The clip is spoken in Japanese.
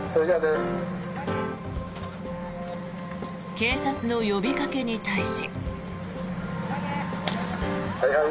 警察の呼びかけに対し。